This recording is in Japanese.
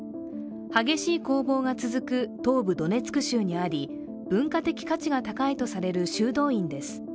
激しい攻防が続く東部ドネツク州にあり、文化的価値が高いとされる修道院です。